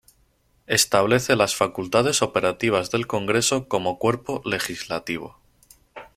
Establece las facultades operativas del Congreso como cuerpo legislativo.